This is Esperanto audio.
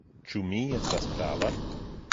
Ĉu mi estas prava?